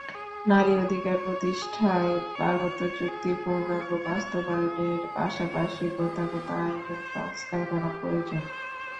নারী অধিকার প্রতিষ্ঠায় পার্বত্য চুক্তির পূর্ণাঙ্গ বাস্তবায়নের পাশাপাশি প্রথাগত আইনেও সংস্কার করা প্রয়োজন।